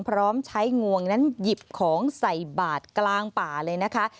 พร้อมใช้งวงนั้นหยิบของใส่บาทกลางป่าเลยนะคะ